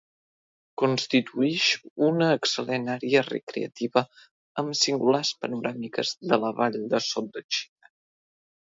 Constituïx una excel·lent àrea recreativa amb singulars panoràmiques de la vall de Sot de Xera.